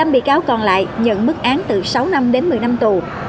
một mươi năm bị cáo còn lại nhận mức án từ sáu năm đến một mươi năm tù